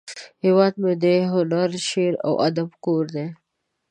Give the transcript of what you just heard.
هیواد مې د هنر، شعر، او ادب کور دی